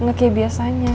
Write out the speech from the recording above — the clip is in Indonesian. gak kayak biasanya